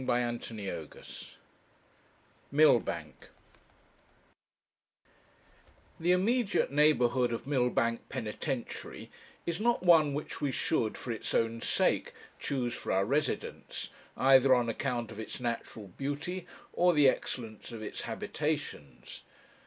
CHAPTER XLIII MILLBANK The immediate neighbourhood of Millbank Penitentiary is not one which we should, for its own sake, choose for our residence, either on account of its natural beauty, or the excellence of its habitations.